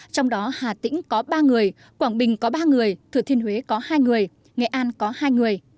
trong đó hà tĩnh có ba người quảng bình có ba người thừa thiên huế có hai người nghệ an có hai người